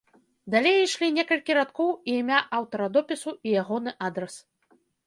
Далей ішлі некалькі радкоў і імя аўтара допісу і ягоны адрас.